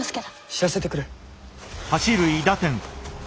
知らせてくる。